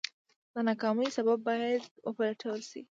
د ناکامۍ سبب باید وپلټل شي.